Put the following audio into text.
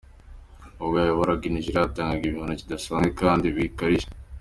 Ubwo yayoboraga Nigeria, yatangaga ibihano bidasanzwe kandi bikarishye.